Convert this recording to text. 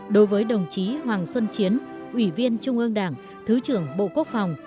đối với đồng chí hoàng xuân chiến ủy viên trung ương đảng thứ trưởng bộ quốc phòng